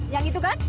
yang itu kan